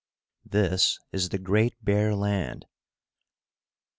This is the great bear land.